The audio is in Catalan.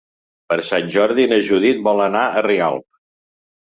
Per Sant Jordi na Judit vol anar a Rialp.